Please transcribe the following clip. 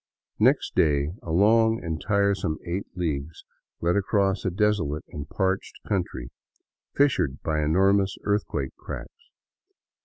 Next day a long and tiresome eight leagues led across a desolate and parched country, fissured by enormous earthquake cracks.